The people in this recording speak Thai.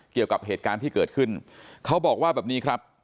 เกี่ยวกับเหตุการณ์ที่เกิดขึ้นเขาบอกว่าแบบนี้ครับ